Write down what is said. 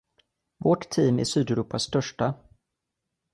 Vårt team är sydeuropas största.